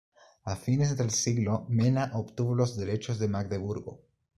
A fines del siglo, Mena obtuvo los derechos de Magdeburgo.